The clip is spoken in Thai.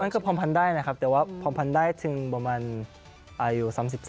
มันคือผ่อนพันได้นะครับแต่ว่าผ่อนพันได้ถึงประมาณอายุ๓๓